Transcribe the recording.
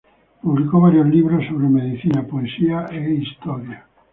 Publicó varios libros sobre medicina, poesía e historia.